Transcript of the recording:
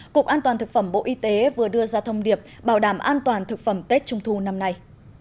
cục an toàn thực phẩm bộ y tế vừa đưa ra thông điệp bảo đảm an toàn thực phẩm tết trung thu năm nay